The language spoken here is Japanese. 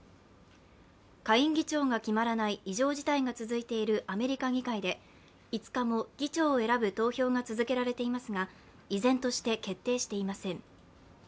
下院議長が決まらない異常事態が続いているアメリカ議会で５日も議長を選ぶ投票が続けられていますが、依然として決定していません。